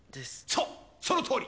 そうそのとおり！